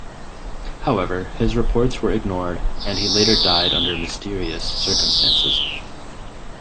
However, his reports were ignored, and he later died under mysterious circumstances.